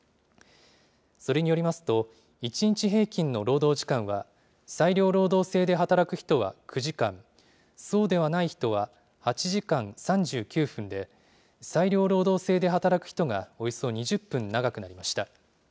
それによりますと、１日平均の労働時間は、裁量労働制で働く人は９時間、そうではない人は８時間３９分で、裁量労働制で働く人がおよそ２０分長くなりました。